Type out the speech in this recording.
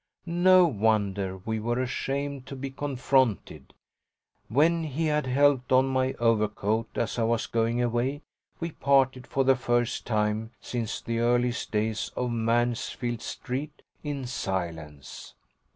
No wonder we were ashamed to be confronted. When he had helped on my overcoat, as I was going away, we parted, for the first time since the earliest days of Mansfield Street, in silence.